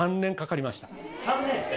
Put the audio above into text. ３年！